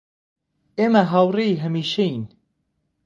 ئێمە هاوڕێی هەمیشەیین